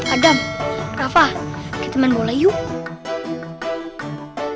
adam rafa kita main bola yuk